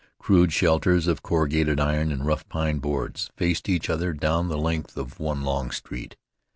Crude shelters of corrugated iron and rough pine boards faced each other down the length of one long street.